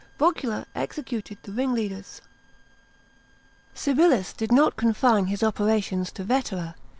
VocMila executed the ringleaders. § 5. Civilis did not confine his operations to Vetera.